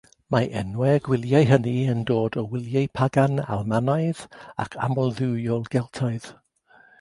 Mae enwau'r gwyliau hynny yn dod o wyliau pagan Almaenaidd ac amldduwiol Geltaidd.